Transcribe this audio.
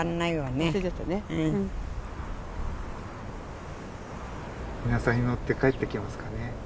イナサに乗って帰ってきますかね。